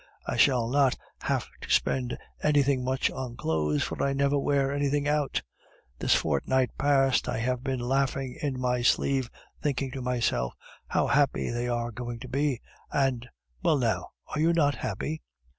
I shall not have to spend anything much on clothes, for I never wear anything out. This fortnight past I have been laughing in my sleeve, thinking to myself, 'How happy they are going to be!' and well, now, are you not happy?"